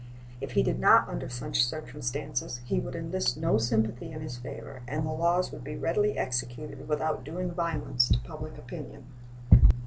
If he did not under such circumstances, he would enlist no sympathy in his favor, and the laws would be readily executed without doing violence to public opinion.